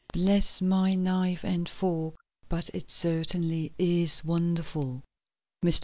Bless my knife and fork but it certainly is wonderful." Mr.